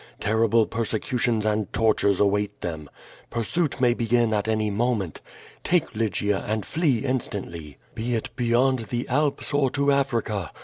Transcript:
Terrible perse cutions and tortures await them. Pursuit may 1)egin at any moment. Take liygia and flee instantly, be it beyond the Alps or to Africa.